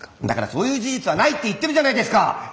だからそういう事実はないって言ってるじゃないですか。